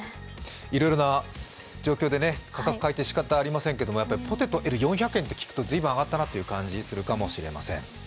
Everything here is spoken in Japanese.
いろいろな状況で価格改定、しかたないですけどポテトＬ４００円って聞くと、随分上がったなという感じがするかもしれません。